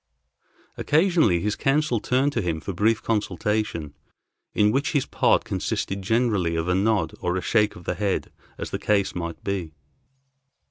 Occasionally his counsel turned to him for brief consultation, in which his part consisted generally of a nod or a shake of the head as the case might be.